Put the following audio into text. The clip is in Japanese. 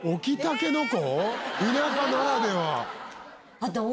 田舎ならでは。